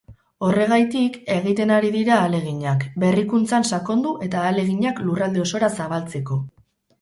Horregaitik egiten ari dira ahaleginak, berrikuntzan sakondu eta ahaleginak lurralde osora zabaltzeko.